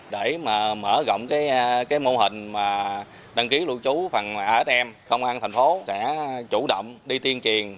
để mà mở rộng cái mô hình mà đăng ký lưu trú phần atm công an thành phố sẽ chủ động đi tiên truyền